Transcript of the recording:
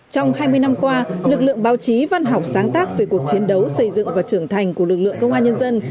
trong hai mươi năm qua lực lượng báo chí văn học sáng tác về cuộc chiến đấu xây dựng và trưởng thành của lực lượng công an nhân dân